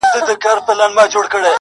o د زړه سوى، د کوني سوى.